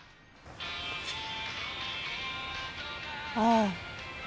「ああ。